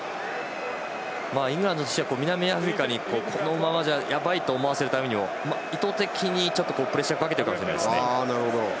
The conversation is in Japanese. イングランドとしては南アフリカに、このままじゃやばいと思わせるためにも意図的にプレッシャーをかけているのかもしれません。